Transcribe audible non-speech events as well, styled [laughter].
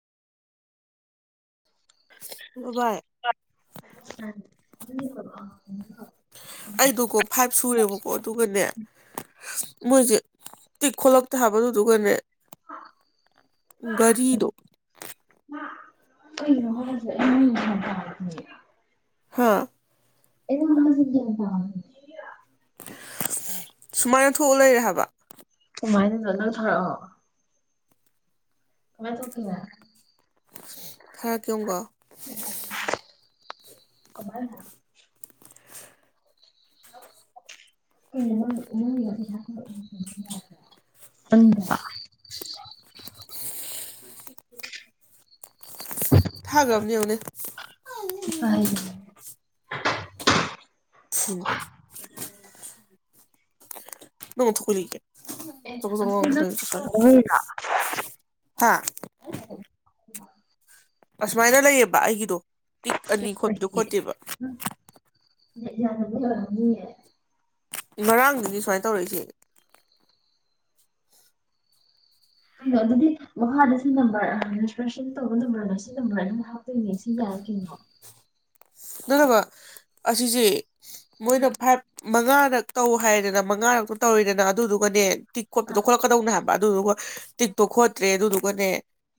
[unintelligible] [unintelligible] five ꯁꯨꯔꯦꯕꯀꯣ ꯑꯗꯨꯒꯅꯦ ꯃꯣꯏꯁꯦ ꯇꯤꯛ ꯈꯣꯠꯂꯛꯇꯦ ꯍꯥꯏꯕꯗꯨꯗꯨꯒꯅꯦ ꯒꯥꯔꯤꯗꯣ ꯑꯩ ꯔꯖ ꯍꯥ ꯑꯩ ꯅ ꯆꯤꯡꯖꯑꯅ ꯇꯥ ꯁꯨꯃꯥꯏꯅ ꯊꯣꯛꯑ ꯂꯩꯔꯦ ꯍꯥꯏꯕ ꯀꯃꯥꯏꯅꯅꯠꯅ ꯊꯔꯛꯑꯣ ꯀꯃꯥꯏ ꯊꯣꯛ ꯀꯈꯤꯕ ꯊꯥꯔꯛꯀꯦꯣꯨꯀꯣ ꯀꯃꯔꯅ ꯑ ꯎ ꯎ ꯊꯥꯒ ꯑꯃꯅꯤꯅꯤ ꯑꯣꯅꯦ ꯁꯤꯕꯨꯣ ꯅꯉ ꯊꯦ ꯑꯦ ꯑꯗꯨꯗꯤ ꯅꯪ ꯂꯧꯔꯤꯔꯣ ꯍꯥ ꯑꯁꯨꯃꯥꯏꯅ ꯂꯩꯌꯦꯕ ꯑꯩꯒꯤꯗꯣ ꯇꯤꯛ ꯑꯦ ꯑꯅꯤ ꯈꯣꯠꯄꯗꯣ ꯈꯣꯠꯇꯦꯕ ꯌꯥꯝꯅꯗ ꯋꯥꯅꯤ ꯉꯔꯥꯡꯗꯨꯗꯤ ꯁꯨꯃꯥꯏꯅ ꯇꯧꯔꯛꯏꯁꯦ ꯀꯩꯅꯣ ꯑꯗꯨꯗꯤ ꯃꯈꯥꯗ ꯁꯤ ꯅꯝꯕꯔꯦꯁꯇ꯭ꯔꯦꯁꯟ ꯇꯧꯕ ꯅꯝꯕꯔꯅ ꯁꯤ ꯅꯝꯕꯔ ꯑꯗꯨꯝ ꯍꯥꯞꯇꯣꯏꯅꯦ ꯁꯤ ꯌꯥꯏ ꯀꯅꯣ ꯅꯠꯇꯕ ꯑꯁꯤꯁꯦ ꯃꯣꯏꯅ ꯐꯥꯏꯚ ꯃꯉꯥꯔꯛ ꯇꯧ ꯍꯥꯏꯗꯅ ꯃꯉꯥꯔꯛꯇ ꯇꯧꯔꯤꯗꯅ ꯑꯗꯨꯗꯨꯒꯅꯦ ꯇꯤꯛ ꯑ ꯈꯣꯠꯄꯗꯣ ꯈꯣꯠꯂꯀꯗꯧꯅꯦ ꯍꯥꯏꯕ ꯑꯗꯨꯗꯨꯒ ꯇꯤꯛꯇꯣ ꯈꯣꯠꯇ꯭ꯔꯦ ꯑꯗꯨꯗꯨꯒꯅꯦ